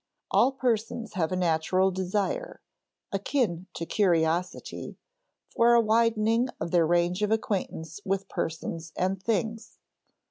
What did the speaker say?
All persons have a natural desire akin to curiosity for a widening of their range of acquaintance with persons and things.